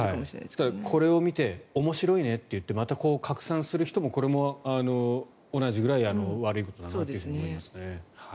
ただ、これを見て面白いねと思ってまた拡散する人もこれも同じくらい悪いことだなと思いますね。